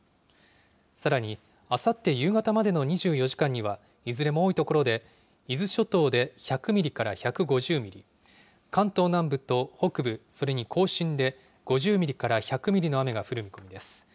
さらにあさって夕方までの２４時間には、いずれも多い所で、伊豆諸島で１００ミリから１５０ミリ、関東南部と北部、それに甲信で５０ミリから１００ミリの雨が降る見込みです。